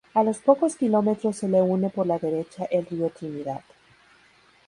A los pocos kilómetros se le une por la derecha el río Trinidad.